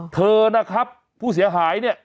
เธอนะครับผู้เสียหายเนี่ย